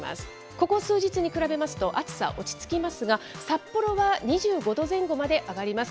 ここ数日に比べますと、暑さ落ち着きますが、札幌は２５度前後まで上がります。